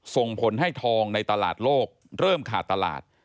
ส่งผลให้ทองในตลาดโลกเริ่มขาดตลาด